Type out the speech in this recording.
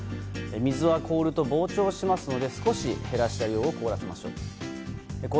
水は氷ると膨張しますので少し減らした量を凍らせましょう。